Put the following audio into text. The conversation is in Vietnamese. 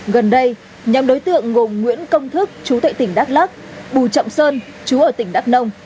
gần đây nhóm đối tượng gồm nguyễn công thức chú tệ tỉnh đắk lắc bùi trọng sơn chú ở tỉnh đắk nông